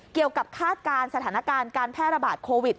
เกี่ยวกับคาดการณ์สถานการณ์การแพรบาดโควิด